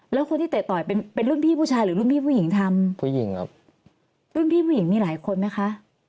แล้วคนที่เตะต่อยเป็นเป็นรุ่นพี่ผู้ชายหรือรุ่นพี่ผู้หญิงทำผู้หญิงครับรุ่นพี่ผู้หญิงมีหลายคนไหมคะ